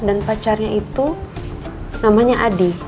dan pacarnya itu namanya adi